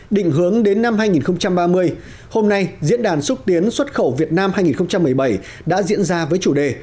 định hướng đến năm hai nghìn ba mươi hôm nay diễn đàn xúc tiến xuất khẩu việt nam hai nghìn một mươi bảy đã diễn ra với chủ đề